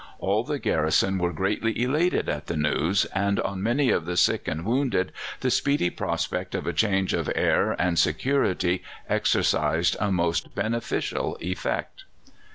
All the garrison were greatly elated at the news, and on many of the sick and wounded the speedy prospect of a change of air and security exercised a most beneficial effect.